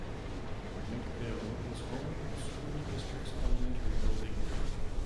McVille is home to the school district's elementary building.